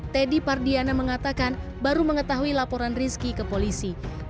teddy pardiana mengatakan baru mengetahui laporan rizky ke polisi